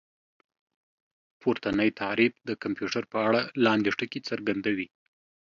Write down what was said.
پورتنی تعريف د کمپيوټر په اړه لاندې ټکي څرګندوي